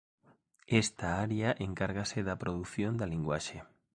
Esta área encárgase da produción da linguaxe.